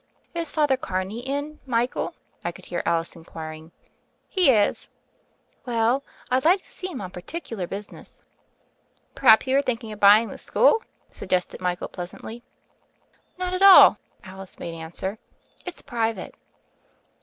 "Is Father Carney in, Michael?" I could hear Alice inquiring. "He is." "Well, I'd like to see him on particular business." "Perhaps you are thinking of buying the school," suggested Michael pleasantly. "Not at all," Alice made answer. "It's private."